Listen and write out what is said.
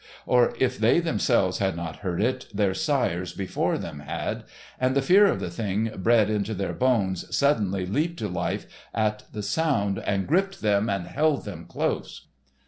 Or if they themselves had not heard it, their sires before them had, and the fear of the thing bred into their bones suddenly leaped to life at the sound and gripped them and held them close.